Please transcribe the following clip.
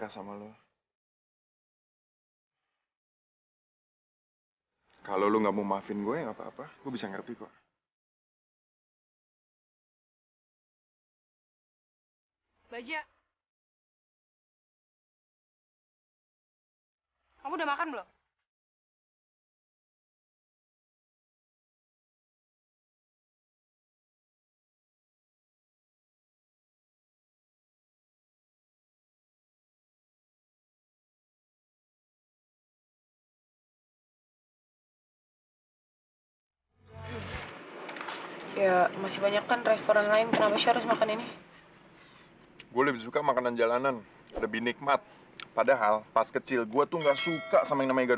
sampai jumpa di video selanjutnya